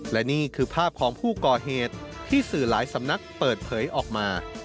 และนี่คือภาพของผู้ก่อเหตุที่สื่อหลายสำนักเปิดเผยออกมา